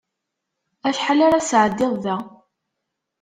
Acḥal ara tesɛeddiḍ da?